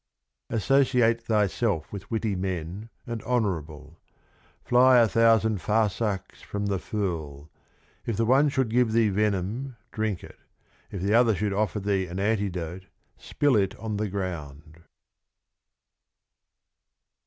(222) Associate thyself with witty Men, and honourable. Fly a thousand Farsakhs from the Fool. If the one should give thee Venom, drink it. If the other should offer thee an Antidote, spill it on the Ground.